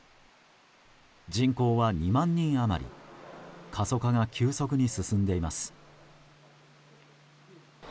人口は２万人余り過疎化が急速に進んでいます。